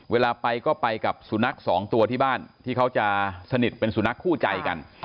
เวลาไปก็ไปกับสุนัขสองตัวที่บ้านที่เขาจะสนิทเป็นสุนัขคู่ใจกัน